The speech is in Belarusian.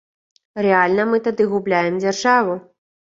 Рэальна мы тады губляем дзяржаву.